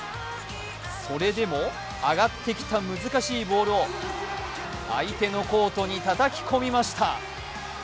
それでも上がってきた難しいボールを相手のコートにたたき込みました。